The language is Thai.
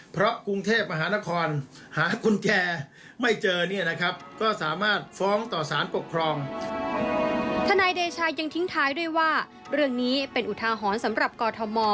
เพราะกรุงเทพฯมหานครหากุญแจไม่เจอ